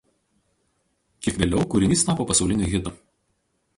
Kiek vėliau kūrinys tapo pasauliniu hitu.